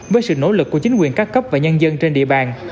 với sự nỗ lực của chính quyền các cấp và nhân dân trên địa bàn